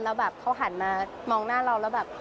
แล้วแบบเขาหันมามองหน้าเราแล้วแบบ